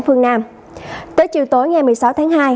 xin chào các bạn